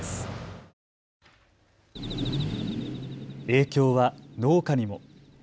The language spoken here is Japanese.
影響は農家にも。